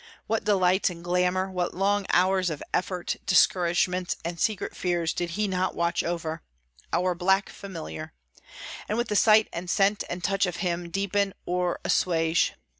What delights and glamour, what long hours of effort, discouragements, and secret fears did he not watch over —our black familiar; and with the sight and scent and touch of him, deepen or assuage!